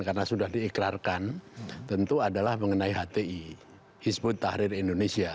karena sudah diikrarkan tentu adalah mengenai hti hizbut tahrir indonesia